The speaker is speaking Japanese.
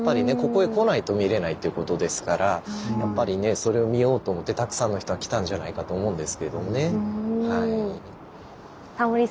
ここへ来ないと見れないということですからそれを見ようと思ってたくさんの人が来たんじゃないかと思うんですけどもね。